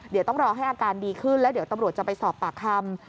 เดี๋ยวต้องรอให้อาการดีขึ้นแล้วเดี๋ยวตำรวจจะไปสอบปากคำ